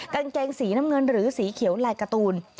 กางเกงสีน้ำเงินหรือสีเขียวลายการ์ตูน